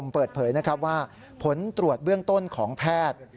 เปิดเผยนะครับว่าผลตรวจเบื้องต้นของแพทย์